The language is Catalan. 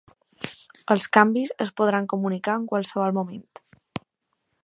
Els canvis es podran comunicar en qualsevol moment.